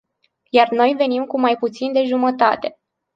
Iar noi venim cu mai puțin de jumătate.